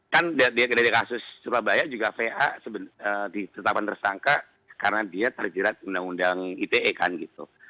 kan dia tidak ada kasus surabaya juga va ditetapkan tersangka karena dia terjerat undang undang ite kan gitu